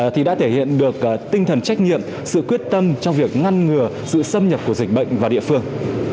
thì đã thể hiện được tinh thần trách nhiệm sự quyết tâm trong việc ngăn ngừa sự xâm nhập của dịch bệnh vào địa phương